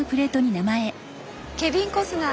ケビン・コスナー。